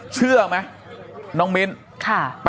เชื่อไหมน้องมิ้นค่ะ